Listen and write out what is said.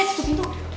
eh tutup pintu